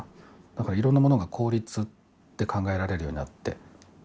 だから、いろんなものが効率で考えられるようになって。